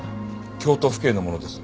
京都府警の者です。